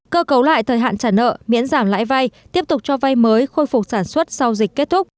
cơ cấu lại thời hạn trả nợ miễn giảm lại vai tiếp tục cho vai mới khôi phục sản xuất sau dịch kết thúc